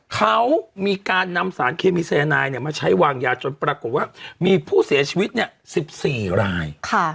เขามีการนำสารเคมีสายนายมาใช้วางยาจนปรากฏว่ามีผู้เสียชีวิต๑๔ราย